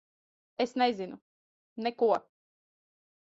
Es nezinu. Neko.